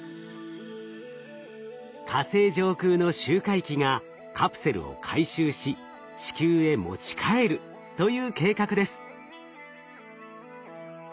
火星上空の周回機がカプセルを回収し地球へ持ち帰るという計画です。